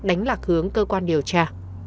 đánh lạc hướng cơ quan điều tra